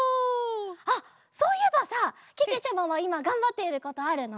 あっそういえばさけけちゃまはいまがんばっていることあるの？